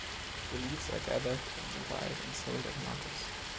The leaves are gathered from the wild and sold at markets.